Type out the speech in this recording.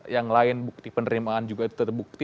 yang lain bukti penerimaan juga itu terbukti